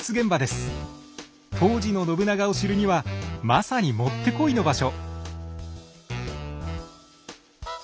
当時の信長を知るにはまさにもってこいの場所。